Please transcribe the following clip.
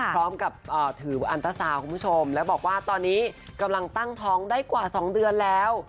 พร้อมกับถืออันตราซาวคุณผู้ชมแล้วบอกว่าตอนนี้กำลังตั้งท้องได้กว่า๒เดือนแล้ว